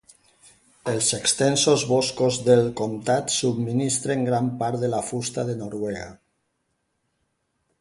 Els extensos boscos del comtat subministren gran part de la fusta de Noruega.